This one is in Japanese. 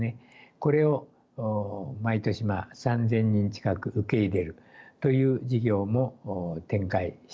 これを毎年３，０００人近く受け入れるという事業も展開しております。